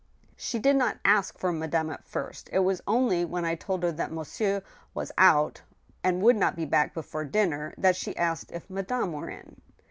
" She did not ask for madame at first ; it was only when I told her that monsieur was out, and would not be back before dinner, that she asked if madame were in."